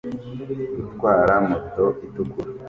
Gutwara moto itukura